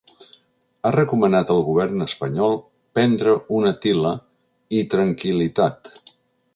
Ha recomanat al govern espanyol ‘prendre una til·la’ i ‘tranquil·litat’.